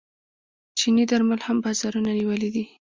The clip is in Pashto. چیني درمل هم بازارونه نیولي دي.